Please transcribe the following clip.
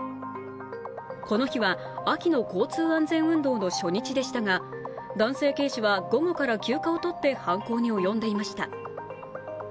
この日は秋の交通安全運動の初日でしたが男性警視は午後から休暇を取って犯行に及んでいました。